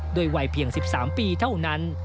วัยเพียง๑๓ปีเท่านั้น